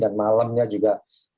dan malamnya juga